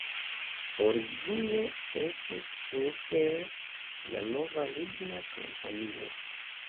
Origine estis super la navo ligna kampanilo.